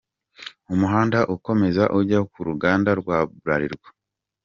Umuhanda ukomeza ujya ku ruganda rwa Bralirwa.